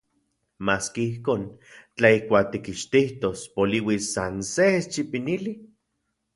Maski ijkon, tla ijkuak tikixtijtos poliuis san se eschipinili...